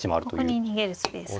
ここに逃げるスペースが。